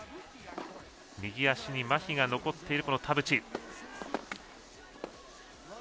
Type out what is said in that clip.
右足にまひが残っている田渕。